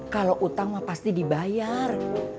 kalau utang mah pasti dibayar